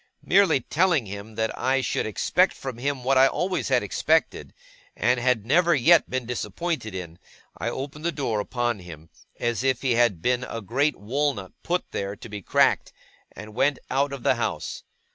Merely telling him that I should expect from him what I always had expected, and had never yet been disappointed in, I opened the door upon him, as if he had been a great walnut put there to be cracked, and went out of the house.